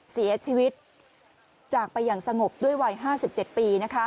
เสียชีวิตจากไปอย่างสงบด้วยวัยห้าสิบเจ็ดปี